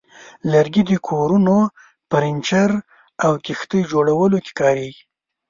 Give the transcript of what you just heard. لرګي د کورونو، فرنیچر، او کښتۍ جوړولو کې کارېږي.